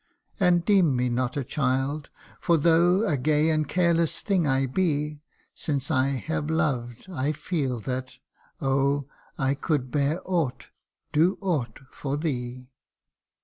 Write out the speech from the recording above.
And deem me not a child ; for though A gay and careless thing I be, Since I have loved, I feel that, oh ! I could bear aught do aught for thee